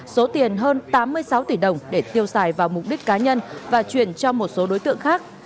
số tiền hơn tám mươi sáu tỷ đồng để tiêu xài vào mục đích cá nhân và chuyển cho một số đối tượng khác